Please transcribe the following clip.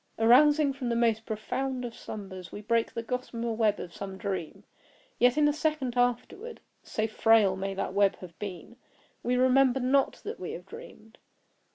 Arousing from the most profound of slumbers, we break the gossamer web of some dream. Yet in a second afterward, (so frail may that web have been) we remember not that we have dreamed.